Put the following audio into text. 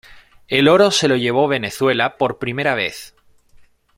El oro se lo llevó Venezuela por primera vez.